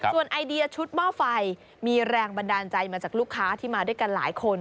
ส่วนไอเดียชุดหม้อไฟมีแรงบันดาลใจมาจากลูกค้าที่มาด้วยกันหลายคน